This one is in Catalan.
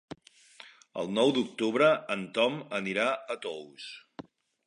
El nou d'octubre en Tom anirà a Tous.